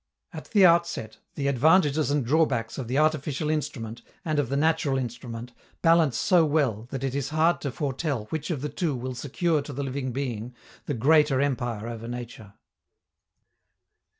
At the outset, the advantages and drawbacks of the artificial instrument and of the natural instrument balance so well that it is hard to foretell which of the two will secure to the living being the greater empire over nature.